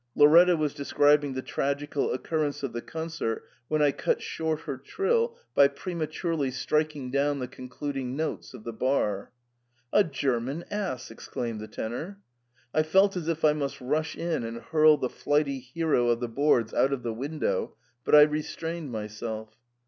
Lauretta was describing the tragical occurrence of the concert when I cut short her trill by prematurely striking down the concluding notes of the bar. *A German ass !* exclaimed the tenor. I felt as if I must rush in and hurl the flighty hero of the boards out of the window, but I restrained myself.